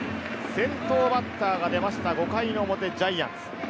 先頭バッターが出ました、５回の表、ジャイアンツ。